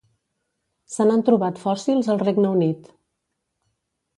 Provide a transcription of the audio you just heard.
Se n'han trobat fòssils al Regne Unit.